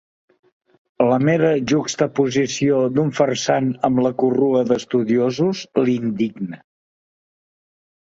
La mera juxtaposició d'un farsant amb la corrua d'estudiosos l'indigna.